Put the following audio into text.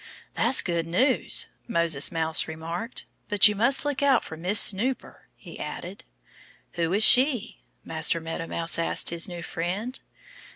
"That's good news," Moses Mouse remarked. "But you must look out for Miss Snooper," he added. "Who is she?" Master Meadow Mouse asked his new friend.